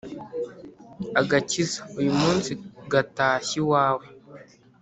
Agakiza uyu munsi gatashye iwawe